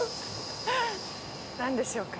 何でしょうか？